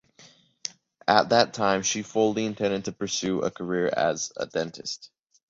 At that time she "fully intended to pursue a career as a dentist".